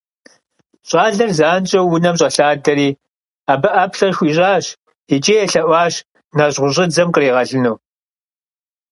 ЩӀалэр занщӀэу унэм щӀэлъадэри абы ӀэплӀэ хуищӀащ икӀи елъэӀуащ нэжьгъущӀыдзэм къригъэлыну.